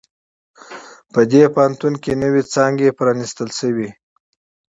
په دې پوهنتون کې نوی څانګي پرانیستل شوي